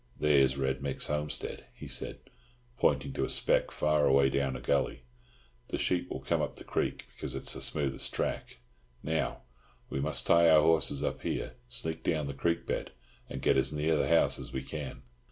"There's Red Mick's homestead," he said, pointing to a speck far away down a gully. "The sheep will come up the creek, because it is the smoothest track. Now, we must tie our horses up here, sneak down the creek bed, and get as near the house as we can."